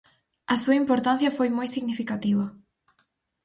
A súa importancia foi moi significativa.